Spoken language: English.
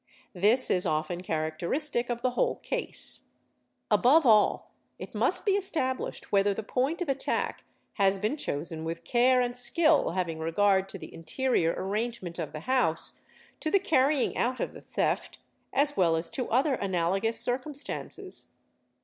This is often characteristic of the whole case. Above all it must be established whether the point of attack has been chosen with care and skill having regard to the interior — arrangement of the house, to the carrying out of the theft, as well as to other analogous circumstances.